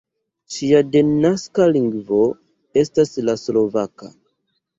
Ŝia denaska lingvo estas la slovaka.